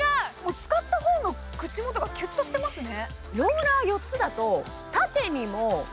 使った方の口元がキュッとしていますね。